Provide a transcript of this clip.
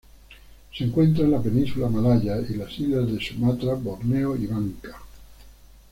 Se encuentra en la península malaya y las islas de Sumatra, Borneo y Bangka.